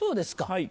はい。